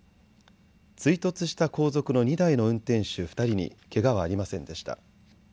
追突した後続の２台の運転手２人にけがはありませんでした。